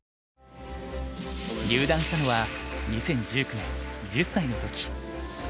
入段したのは２０１９年１０歳の時。